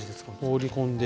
放り込んで。